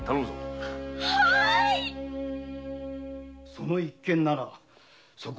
その一件ならそこ